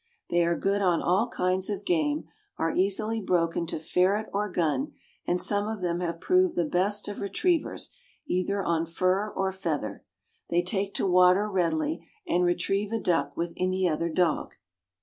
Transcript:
They are good on all kinds of game, are easily broken to ferret or gun, and some of them have proved the best of retrievers, either on fur or feather. They take to water readily, and retrieve a duck with any other dog.